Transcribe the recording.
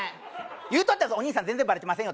言うとったぞ「お兄さん全然バレてませんよ」